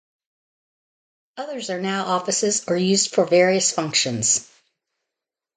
Others are now offices or used for various functions.